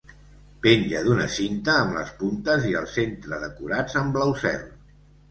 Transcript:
Penja d'una cinta amb les puntes i el centre decorats en blau cel.